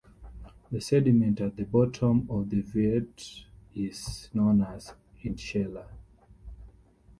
The sediment at the bottom of the vat is known as intshela.